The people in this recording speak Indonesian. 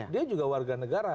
dia juga warga negara